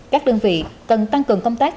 các đơn vị cần tăng cường công tác